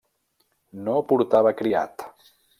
No portava criat.